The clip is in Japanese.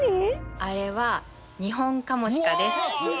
あれはニホンカモシカです。